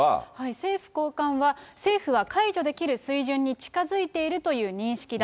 政府高官は、政府は解除できる水準に近づいているという認識だ。